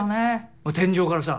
もう天井からさ